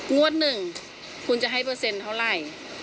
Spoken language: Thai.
งวดหนึ่งคุณจะให้เปอร์เซ็นต์เท่าไหร่